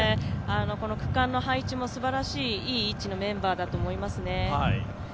区間の配置もすばらしいいい位置のメンバーだと思いますね。